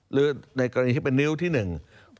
หรือในกรณีที่เป็นนิ้วที่หนึ่ง